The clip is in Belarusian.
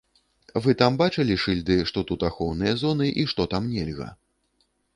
Вы там бачылі шыльды, што тут ахоўныя зоны і што там нельга?